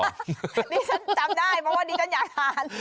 นี่ฉันจำได้เพราะว่าดิฉันอยากทาน